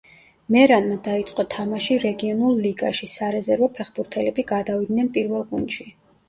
მერანმა დაიწყო თამაში რეგიონულ ლიგაში, სარეზერვო ფეხბურთელები გადავიდნენ პირველ გუნდში.